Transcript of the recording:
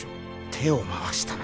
手を回したな？